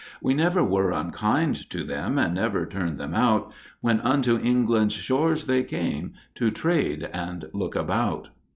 We never were unkind to them and never turned them out When unto England's shores they came, to trade and look about.